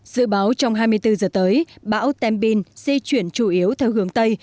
dự báo trong hai mươi bốn giờ tới bão tembin di chuyển chủ yếu theo hướng tây